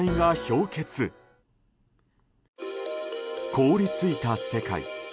凍り付いた世界。